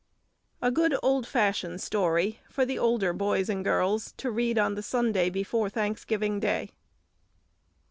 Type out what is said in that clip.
A good old fashioned story for the older boys and girls to read on the Sunday before Thanksgiving Day.